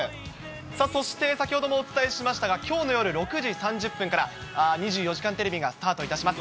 さあそして先ほどもお伝えしましたが、きょうの夜６時３０分から２４時間テレビがスタートいたします。